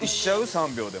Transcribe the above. ３秒で。